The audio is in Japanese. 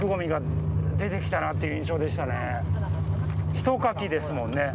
１かきですもんね。